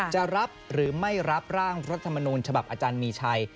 จะรับหรือไม่รับร่างรัฐมนูญฉบับอาจารย์มีชัย